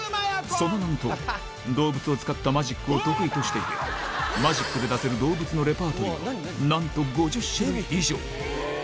その名のとおり動物を使ったマジックを得意としていてマジックで出せる動物のレパートリーはなんと５０種類以上多くて７羽？